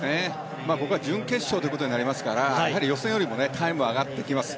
ここは準決勝になりますから予選よりもタイムが上がってきます。